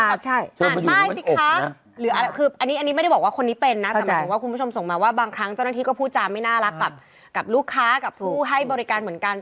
อ่านป้ายสิคะหรืออะไรคืออันนี้อันนี้ไม่ได้บอกว่าคนนี้เป็นนะแต่หมายถึงว่าคุณผู้ชมส่งมาว่าบางครั้งเจ้าหน้าที่ก็พูดจาไม่น่ารักกับลูกค้ากับผู้ให้บริการเหมือนกัน